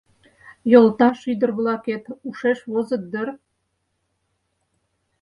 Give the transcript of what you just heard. Йолташ ӱдыр-влакет ушеш возыт дыр?